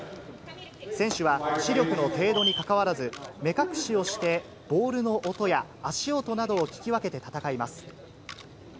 選手は視力の程度に関わらず、目隠しをしてボールの音や足音などを聞き分けて戦います。